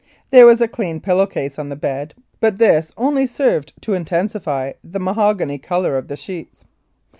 There was a clean pillow case on the bed, but this only served to intensify the mahogany colour of the sheets.